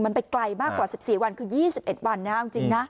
มันไปไกลมากกว่า๑๔วันก็๒๑วันนะ